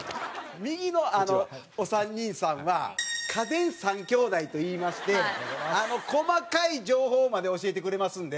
右のお３人さんは家電３兄弟といいまして細かい情報まで教えてくれますので。